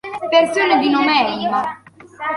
Persone di nome Emma